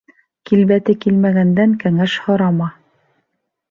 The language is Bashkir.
Килбәте килмәгәндән кәңәш һорама.